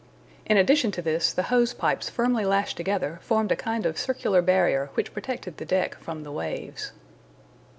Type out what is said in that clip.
In addition to this, the hose pipes firmly lashed together formed a kind of circular barrier which protected the deck from the waves.